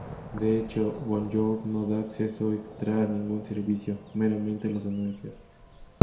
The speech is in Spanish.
De hecho, Bonjour no da acceso extra a ningún servicio; meramente los anuncia.